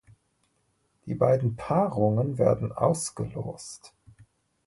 Die beiden Paarungen werden ausgelost.